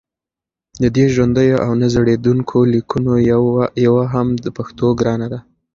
له دې ژوندیو او نه زړېدونکو لیکونو یوه هم د پښتو ګرانه ده